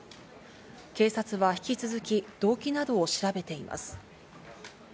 警察は引き続き動機などを調べています。